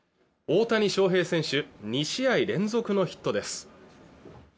大谷翔平選手２試合連続のヒットです